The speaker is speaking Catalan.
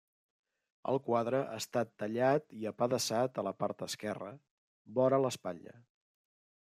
El quadre ha estat tallat i apedaçat a la part esquerra, vora l'espatlla.